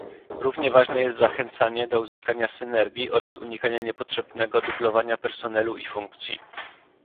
Równie ważne jest zachęcanie do uzyskania synergii oraz unikanie niepotrzebnego dublowania personelu i funkcji